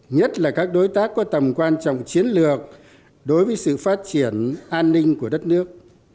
nhất là các đối tác có tầm quan trọng chiến lược đối với sự phát triển an ninh của đất nước